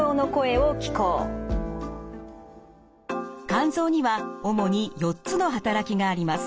肝臓には主に４つの働きがあります。